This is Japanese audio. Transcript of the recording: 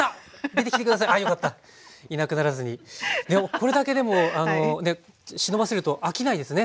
これだけでも忍ばせると飽きないですね